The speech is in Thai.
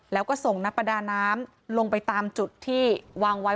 แล้วก็ส่งนักประดาน้ำลงไปตามจุดที่วางไว้